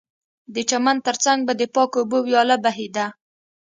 د چمن ترڅنګ به د پاکو اوبو ویاله بهېده